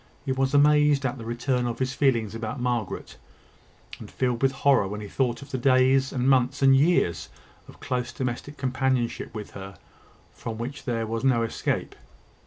He was amazed at the return of his feelings about Margaret, and filled with horror when he thought of the days, and months, and years of close domestic companionship with her, from which there was no escape.